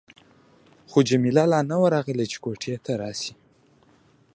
خو جميله لا نه وه راغلې چې کوټې ته راشي.